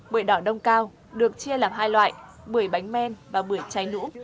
bưởi đỏ đông cao được chia làm hai loại bưởi bánh men và bưởi cháy nũ